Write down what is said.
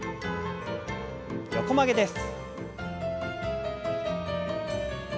横曲げです。